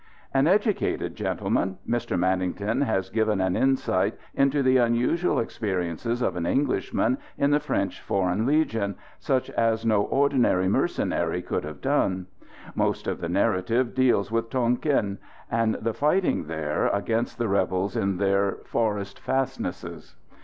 An educated gentleman, Mr Manington has given an insight into the unusual experiences of an Englishman in the French Foreign Legion, such as no ordinary "mercenary" could have done. Most of the narrative deals with Tonquin, and the fighting there against the rebels in their forest fastnesses.